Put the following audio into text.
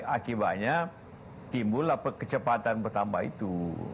akibatnya timbullah kecepatan bertambah itu